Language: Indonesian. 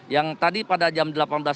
yang tadi pada jam delapan belas tiga puluh